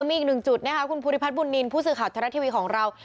มีอีกหนึ่งจุดนะคะคุณภูริพัฒนบุญนินทร์ผู้สื่อข่าวไทยรัฐทีวีของเรา